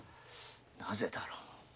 なぜだろう。